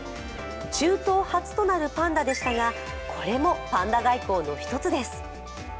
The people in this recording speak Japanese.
中東初となるパンダでしたがこれもパンダ外交の１つです。